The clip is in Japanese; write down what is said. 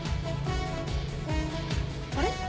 あれ？